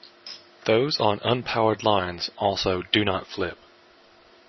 Those on unpowered lines also do not flip.